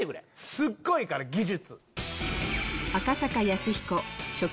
すっごいから技術。